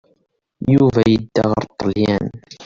Yuba yedda ɣer Ṭṭalyan.